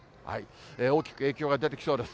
大きく影響が出てきそうです。